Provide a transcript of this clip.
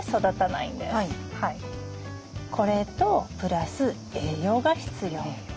これとプラス栄養が必要。